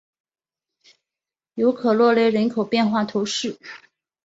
龙克罗勒人口变化图示